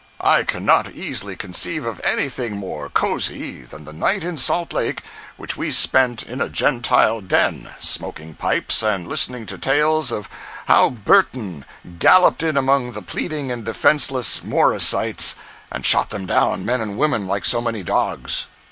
I cannot easily conceive of anything more cosy than the night in Salt Lake which we spent in a Gentile den, smoking pipes and listening to tales of how Burton galloped in among the pleading and defenceless "Morisites" and shot them down, men and women, like so many dogs.